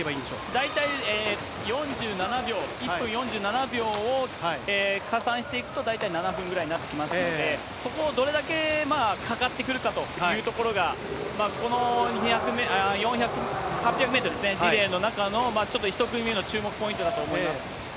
大体４７秒、１分４７秒を加算していくと、大体７分ぐらいになってきますので、そこをどれだけ、かかってくるかというところが、この８００メートルリレーの中のちょっと、１組目の注目ポイントだと思います。